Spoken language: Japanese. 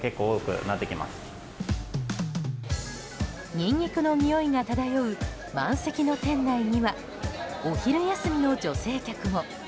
ニンニクのにおいが漂う満席の店内にはお昼休みの女性客も。